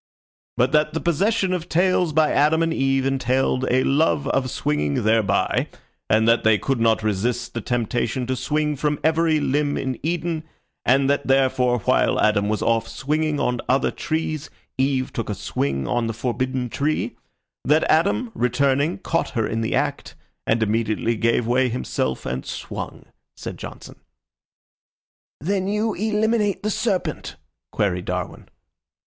"But that the possession of tails by Adam and Eve entailed a love of swinging thereby, and that they could not resist the temptation to swing from every limb in Eden, and that therefore, while Adam was off swinging on other trees, Eve took a swing on the forbidden tree; that Adam, returning, caught her in the act, and immediately gave way himself and swung," said Johnson. "Then you eliminate the serpent?" queried Darwin.